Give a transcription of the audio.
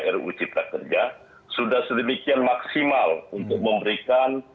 ruu cipta kerja sudah sedemikian maksimal untuk memberikan